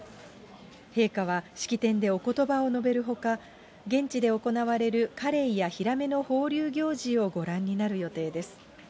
陛下は式典でおことばを述べるほか、現地で行われるカレイやヒラメの放流行事をご覧になる予定です。